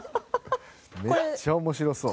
めっちゃ面白そう。